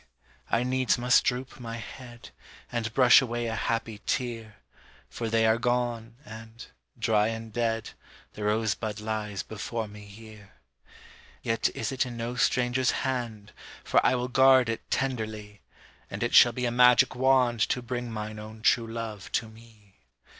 I needs must droop my head, And brush away a happy tear, For they are gone, and, dry and dead, The rosebud lies before me here. Yet is it in no stranger's hand, For I will guard it tenderly, And it shall be a magic wand To bring mine own true love to me.